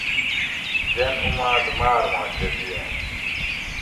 جین اُماۤت ماۤر ماکہ دیٔنت